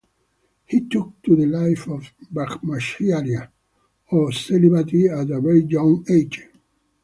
He took to the life of Brahmacharya, or celibacy, at a very young age.